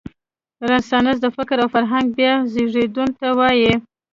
رنسانس د فکر او فرهنګ بیا زېږون ته وايي.